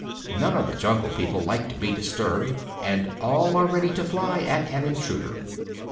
None of the Jungle People like being disturbed, and all are very ready to fly at an intruder.